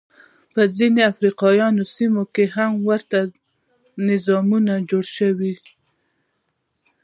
په ځینو افریقايي سیمو کې هم ورته نظامونه جوړ شول.